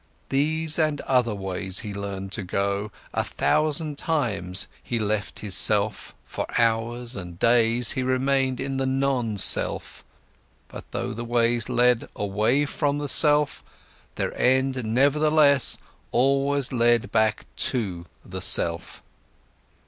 These and other ways he learned to go, a thousand times he left his self, for hours and days he remained in the non self. But though the ways led away from the self, their end nevertheless always led back to the self.